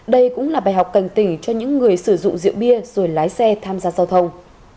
đây cũng là bài học cảnh tỉnh cho những người sử dụng rượu bia rồi lái xe tham gia giao thông